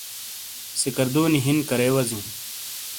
سکردونی ہِن کرے وزیوں؟